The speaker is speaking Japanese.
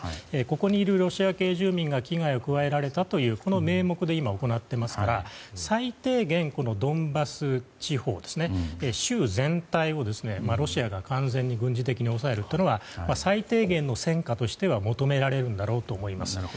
ここにいるロシア系住民が危害を加えらえたという名目で今、行っていますから最低限、ドンバス地方、州全体をロシアが完全に軍事的に押さえるというのは最低限の戦果としては求められるんだろうと思います。